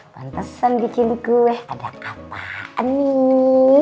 bantesan bikin gue ada apaan nih